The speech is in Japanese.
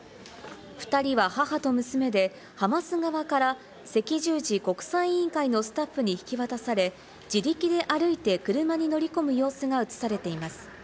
２人は母と娘でハマス側から赤十字国際委員会のスタッフに引き渡され、自力で歩いて車に乗り込む様子が映されています。